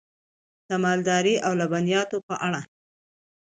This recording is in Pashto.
د مالدارۍ او لبنیاتو په اړه: